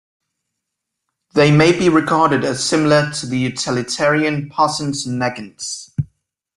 They may be regarded as similar to the utilitarian posends and negends.